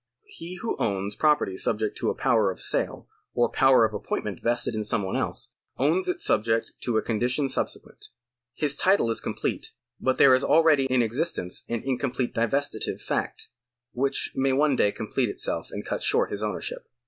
^ He who owns property subject to a power of sale or power of appointment vested in some one else, owns it subject to a condition subsequent. His title is complete, but there is already in existence an incomplete divestitive fact, which may one day complete itself and cut short his ownership.